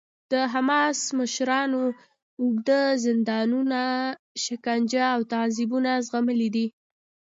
د حماس مشرانو اوږده زندانونه، شکنجه او تعذیبونه زغملي دي.